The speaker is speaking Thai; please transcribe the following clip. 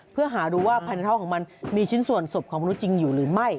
เพื่อหาดูว่าภายในท้องของมันมีชิ้นส่วนศพของมนุษย์จริงอยู่หรือไม่